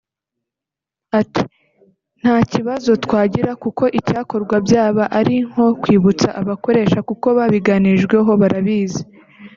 Ati” Nta kibazo twagira kuko icyakorwa byaba ari nko kwibutsa abakoresha kuko babiganirijweho barabizi